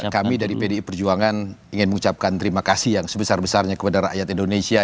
kami dari pdi perjuangan ingin mengucapkan terima kasih yang sebesar besarnya kepada rakyat indonesia